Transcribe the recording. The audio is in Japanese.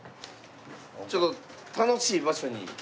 ちょっと楽しい場所に。